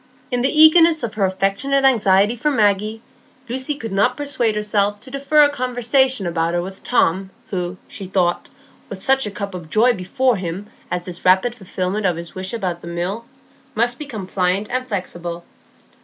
In the eagerness of her affectionate anxiety for Maggie, Lucy could not persuade herself to defer a conversation about her with Tom, who, she thought, with such a cup of joy before him as this rapid fulfilment of his wish about the Mill, must become pliant and flexible.